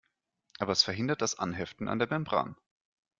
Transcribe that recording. Aber es verhindert das Anheften an der Membran.